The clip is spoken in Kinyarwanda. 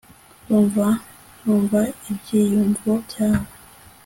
Ndumva numva ibyiyumvo byawe